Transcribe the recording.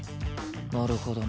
なるほどね。